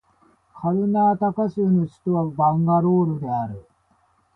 カルナータカ州の州都はバンガロールである